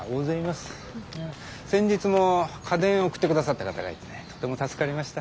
先日も家電を送って下さった方がいてとても助かりました。